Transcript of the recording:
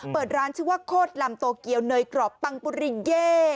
เปิดร้านชื่อว่าโคตรลำโตเกียวเนยกรอบปังปุริเย่